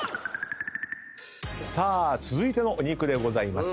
さあ続いてのお肉でございます。